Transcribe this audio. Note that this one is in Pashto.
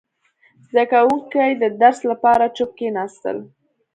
• زده کوونکي د درس لپاره چوپ کښېناستل.